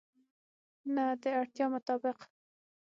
نه، د اړتیا مطابق